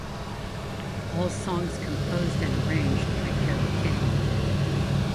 All songs composed and arranged by Carole King.